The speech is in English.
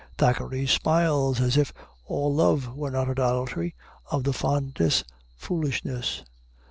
Thackeray smiles, as if all love were not idolatry of the fondest foolishness.